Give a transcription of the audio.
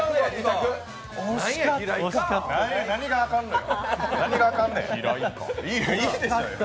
何があかんのよ。